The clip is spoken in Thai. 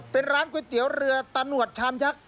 เป็นร้านก๋วยเตี๋ยวเรือตะหนวดชามยักษ